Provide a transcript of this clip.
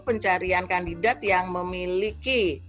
pencarian kandidat yang memiliki